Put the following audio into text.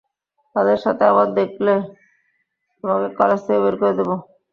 তাদের সাথে আবার দেখলে, তোমাকে কলেজ থেকে বের করে দেব।